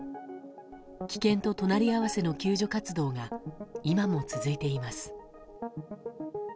危険と隣り合わせの救助活動が今も続いています。